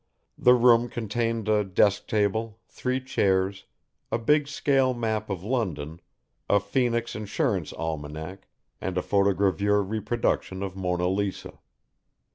The room contained a desk table, three chairs, a big scale map of London, a Phoenix Insurance Almanac, and a photogravure reproduction of Mona Lisa.